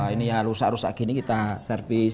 ini ya rusak rusak gini kita servis